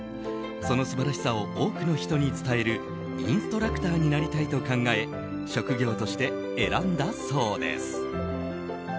その素晴らしさを多くの人に伝えるインストラクターになりたいと考え職業として選んだそうです。